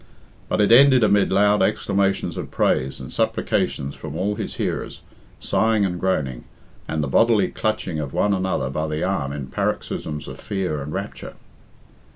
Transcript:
But it ended amid loud exclamations of praise and supplications from all his hearers, sighing and groaning, and the bodily clutching of one another by the arm in paroxysms of fear and rapture.